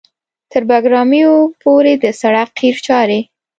تر بګرامیو پورې د سړک قیر چارې